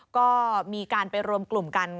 ก็มีการไปรวมกลุ่มกัน